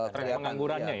trend penganggurannya ya